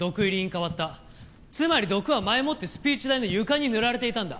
つまり毒は前もってスピーチ台の床に塗られていたんだ。